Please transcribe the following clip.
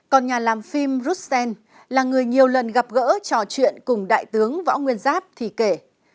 còn nhà làm phim russel là người nhiều lần gặp gỡ trò chuyện cùng đại tướng võ nguyên giáp thì kể